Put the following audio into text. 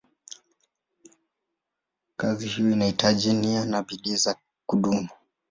Kazi hiyo inahitaji nia na bidii za kudumu.